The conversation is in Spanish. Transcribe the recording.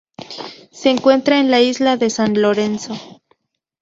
Se encuentra en la isla de San Lorenzo.